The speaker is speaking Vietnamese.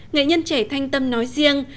nghệ nhân trẻ thanh tâm nói riêng